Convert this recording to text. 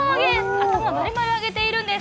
頭、丸々揚げているんです。